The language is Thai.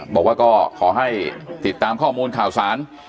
บอกว่าก็ขอให้ติดตามข้อมูลข่าวสาร